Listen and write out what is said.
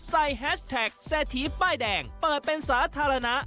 แฮชแท็กเศรษฐีป้ายแดงเปิดเป็นสาธารณะ